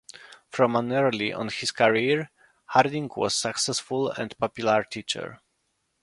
From an early on in his career Harding was a successful and popular teacher.